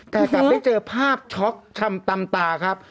แต่กลับได้เจอภาพช็อกชำตำตาครับ